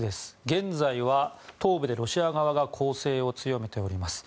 現在は東部でロシア側が攻勢を強めております。